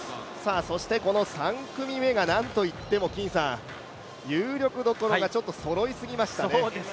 そしてこの３組目がなんといっても有力どころがちょっとそろいすぎましたね。